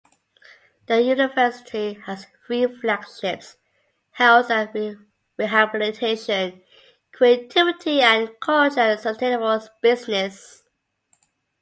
The university has three flagships: health and rehabilitation; creativity and culture; and sustainable business.